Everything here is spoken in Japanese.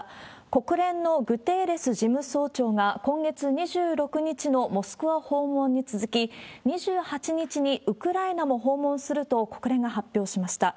国連のグテーレス事務総長が、今月２６日のモスクワ訪問に続き、２８日にウクライナも訪問すると、国連が発表しました。